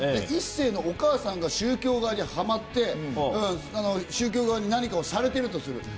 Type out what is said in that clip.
一星のお母さんが宗教側にはまって宗教側に何かをされているとする。